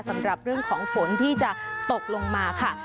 สำหรับเรื่องของฝนที่จะตกลงมาค่ะ